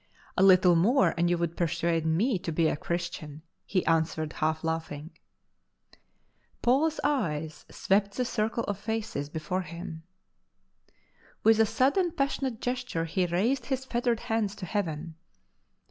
" A little more and you would persuade me to be a Christian," he answered, half laughing. Paul's eyes swept the circle of faces before him. With a sudden passionate gesture he raised his fettered hands to Heaven.